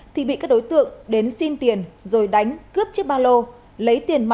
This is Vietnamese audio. thì bị các đối tượng đến xin tiền rồi đánh cướp chiếc ba lô lấy tiền mặt